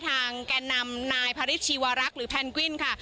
ทางแกนนำนายภริษชีวรักษ์หรือแพนกวิ้นค่ะ